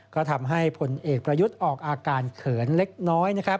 ก็ทำให้ผลเอกประยุทธ์ออกอาการเขินเล็กน้อยนะครับ